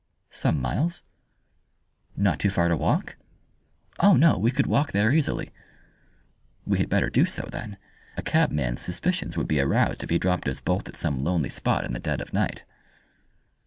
"Some miles." "Not too far to walk?" "Oh, no, we could walk there easily." "We had better do so, then. A cabman's suspicions would be aroused if he dropped us both at some lonely spot in the dead of the night."